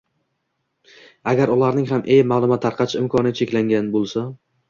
Agarda ularning ham eee... maʼlumot tarqatish imkoniyati cheklangan bo‘lsa